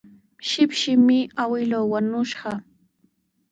Shipshimi awkilluu wañushqa.